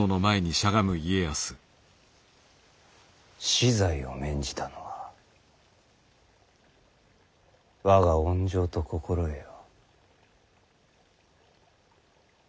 死罪を免じたのは我が温情と心得よ。